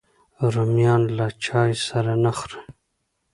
رومیان له چای سره نه خوري